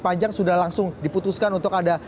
panjang sudah langsung diputuskan untuk ada